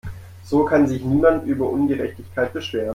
So kann sich niemand über Ungerechtigkeit beschweren.